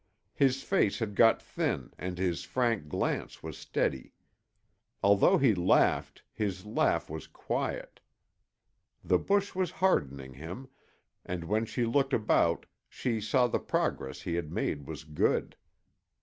His face had got thin and his frank glance was steady. Although he laughed, his laugh was quiet. The bush was hardening him, and when she looked about she saw the progress he had made was good.